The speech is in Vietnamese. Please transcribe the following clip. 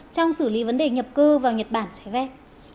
trong xử lý vấn đề nhập cư vào nhật bản trái phép